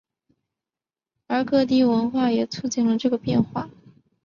而各地文化也促进了这个变化。